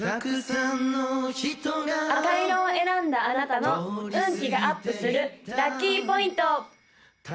赤色を選んだあなたの運気がアップするラッキーポイント！